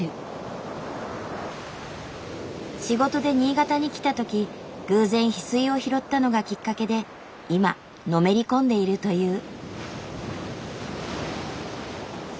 仕事で新潟に来た時偶然ヒスイを拾ったのがきっかけで今のめり込んでいるという。